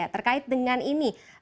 terkait dengan ini